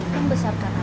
yang besar kan mbak